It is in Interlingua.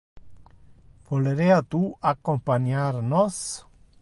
Volerea tu accompaniar nos?